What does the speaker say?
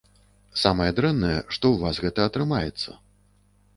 Самае дрэннае, што ў вас гэта атрымаецца.